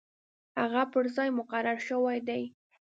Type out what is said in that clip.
هغه پر ځای مقرر شوی دی.